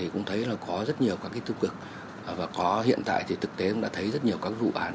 cũng thấy có rất nhiều các tiêu cực và có hiện tại thì thực tế cũng đã thấy rất nhiều các vụ án